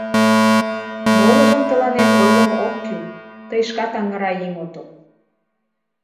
Молыжым тыланет ойлымо ок кӱл: тый шкат аҥыра еҥ отыл!..»